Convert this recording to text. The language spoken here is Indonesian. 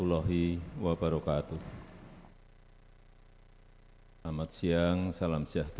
dan pembatasan uang kartal ke dpr